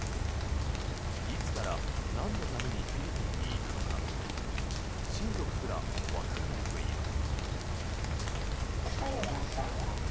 いつから、なんのためにフィリピンにいたのか親族すらわからないといいます。